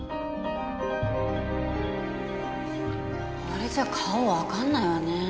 これじゃ顔わかんないわね。